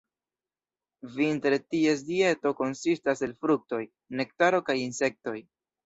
Vintre ties dieto konsistas el fruktoj, nektaro kaj insektoj.